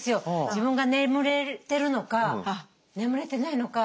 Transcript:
自分が眠れてるのか眠れてないのか。